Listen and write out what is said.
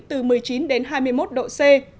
từ một mươi chín đến hai mươi độ c